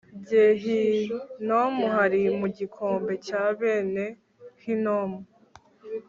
Gehinomu hari mu gikombe cya bene Hinomu